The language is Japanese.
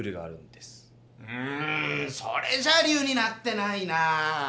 んそれじゃ理由になってないな。